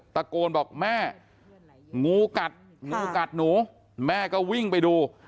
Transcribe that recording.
ตะโกนบอกแม่งูกัดงูกัดหนูแม่ก็วิ่งไปดู